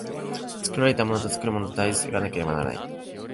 作られたものと作るものとの対立がなければならない。